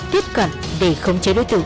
tiếp cận để không chế đối tượng